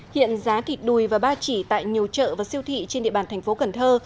hiện giá thịt đùi và ba chỉ tại nhiều chợ và siêu thị trên địa bàn thành phố cần thơ